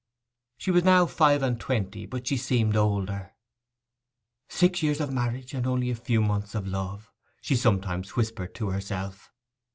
She was now five and twenty; but she seemed older. 'Six years of marriage, and only a few months of love,' she sometimes whispered to herself.